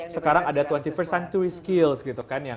sekarang ada dua puluh satu st century skills gitu kan